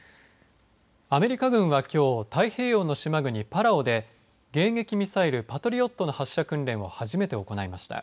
アメリカ軍はきょう太平洋の島国パラオで迎撃ミサイル、パトリオットの発射訓練を初めて行いました。